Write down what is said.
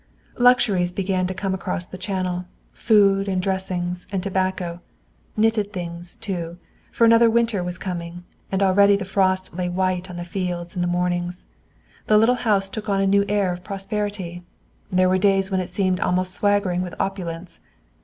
Luxuries began to come across the channel, food and dressings and tobacco. Knitted things, too; for another winter was coming, and already the frost lay white on the fields in the mornings. The little house took on a new air of prosperity. There were days when it seemed almost swaggering with opulence.